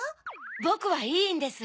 ぼくはいいんです。